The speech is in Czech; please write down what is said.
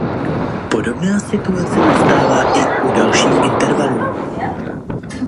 Podobná situace nastává i u dalších intervalů.